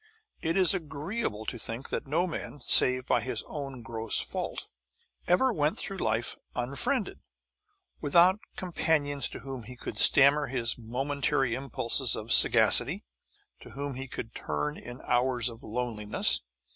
It is agreeable to think that no man, save by his own gross fault, ever went through life unfriended, without companions to whom he could stammer his momentary impulses of sagacity, to whom he could turn in hours of loneliness.